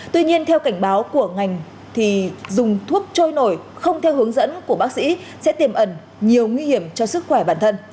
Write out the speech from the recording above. tuy nhiên theo cảnh báo của ngành thì dùng thuốc trôi nổi không theo hướng dẫn của bác sĩ sẽ tiềm ẩn nhiều nguy hiểm cho sức khỏe bản thân